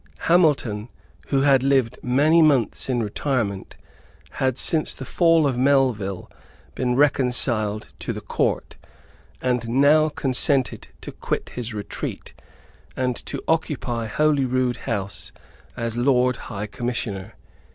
Hamilton, who had lived many months in retirement, had, since the fall of Melville, been reconciled to the Court, and now consented to quit his retreat, and to occupy Holyrood House as Lord High Commissioner.